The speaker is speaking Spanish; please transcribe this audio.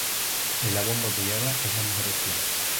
el agua embotellada es la mejor opción